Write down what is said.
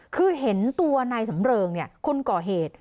คือเห็นตัวนายสำเริงคนก่อเหตุ